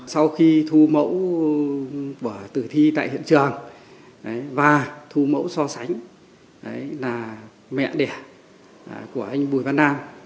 sau khi thu mẫu của tử thi tại hiện trường và thu mẫu so sánh là mẹ đẻ của anh bùi văn nam